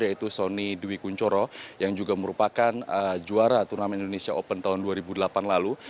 yaitu sonny dwi kunchoro yang juga merupakan juara turnamen indonesia open tahun dua ribu delapan lalu